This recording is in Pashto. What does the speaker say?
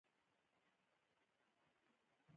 که چنې ورسره ووهې نرخونه نیمایي ته راښکته کوي.